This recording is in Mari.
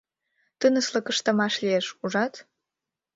Тыныслык ыштымаш лиеш, ужат?